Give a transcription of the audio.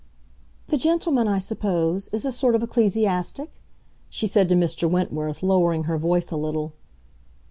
"The gentleman, I suppose, is a sort of ecclesiastic," she said to Mr. Wentworth, lowering her voice a little.